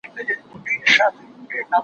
چوروندک ځالګۍ نه سوه پرېښودلای